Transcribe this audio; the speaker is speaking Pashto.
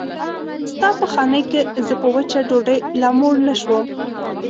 ستا په خانۍ کې زه په وچه ډوډۍ لا موړ نه شوم.